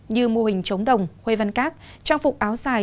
như mô hình trống đồng huê văn cát trang phục áo xài